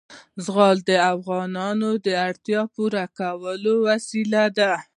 زغال د افغانانو د اړتیاوو د پوره کولو وسیله ده.